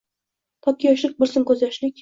Toki yoshlik bo’lsin ko’zyoshlik